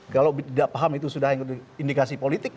kalau tidak paham itu sudah indikasi politik